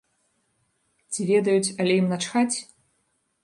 Ці ведаюць, але ім начхаць?